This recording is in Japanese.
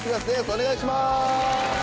お願いします。